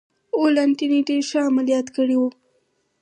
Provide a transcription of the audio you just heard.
ولانتیني ډېر ښه عملیات کړي و.